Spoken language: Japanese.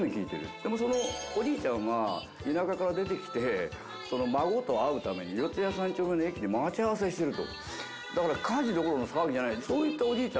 でもそのおじいちゃんは田舎から出てきて孫と会うために四谷三丁目の駅で待ち合わせしてると。